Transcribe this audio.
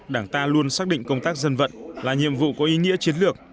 đảng ta luôn xác định công tác dân vận là nhiệm vụ có ý nghĩa chiến lược